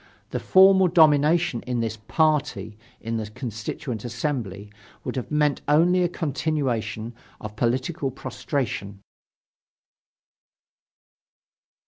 The formal domination of this "party" in the Constituent Assembly would have meant only a continuation of political prostration.